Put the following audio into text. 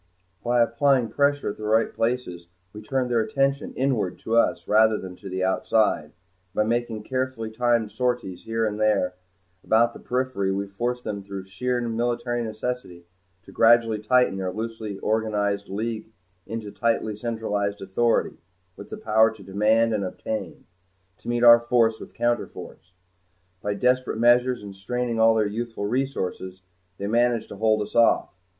By applying pressure at the right places we turned their attention inward to us rather than to the outside, and by making carefully timed sorties here and there about the periphery we forced them through sheer military necessity to gradually tighten their loosely organized League into tightly centralized authority, with the power to demand and obtain to meet our force with counterforce. By desperate measures and straining of all their youthful resources they managed to hold us off.